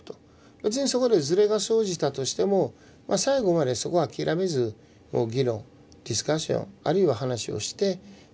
別にそこでズレが生じたとしても最後までそこを諦めず議論ディスカッションあるいは話をしてまあやっていくと。